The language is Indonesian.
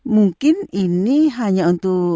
mungkin ini hanya untuk